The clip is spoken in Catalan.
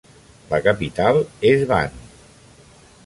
La capital és Van.